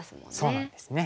そうなんですね。